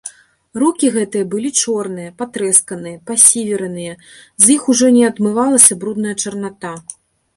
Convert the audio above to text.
Рукі гэтыя былі чорныя, патрэсканыя, пасівераныя, з іх ужо не адмывалася брудная чарната.